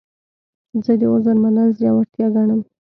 زه د عذر منل زړورتیا ګڼم.